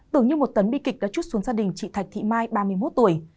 tưởng như một tấn bi kịch đã chút xuống gia đình chị thạch thị mai ba mươi một tuổi